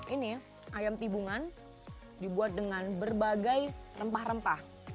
ini adalah ayam timbungan yang dibuat dengan berbagai rempah rempah